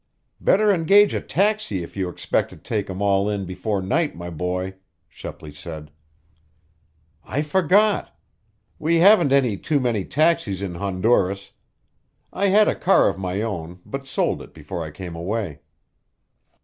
"Better engage a taxi if you expect to take 'em all in before night, my boy," Shepley said. "I forgot! We haven't any too many taxis in Honduras. I had a car of my own, but sold it before I came away."